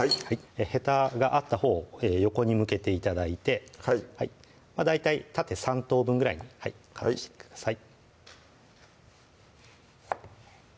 へたがあったほうを横に向けて頂いて大体縦３等分ぐらいにカットしてください